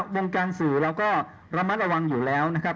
วงการสื่อเราก็ระมัดระวังอยู่แล้วนะครับ